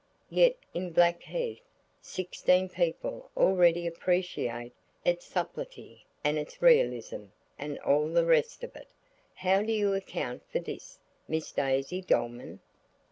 Yet in Blackheath sixteen people already appreciate its subtlety and its realism and all the rest of it. How do you account for this, Miss Daisy Dolman?"